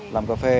làm cà phê